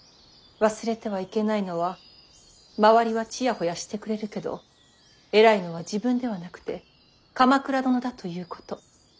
忘れてはいけないのは周りはちやほやしてくれるけど偉いのは自分ではなくて鎌倉殿だということ。